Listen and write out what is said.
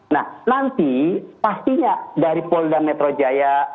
nah nanti pastinya dari polda metro jaya